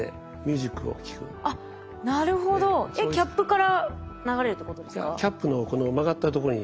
キャップから流れるってことですか？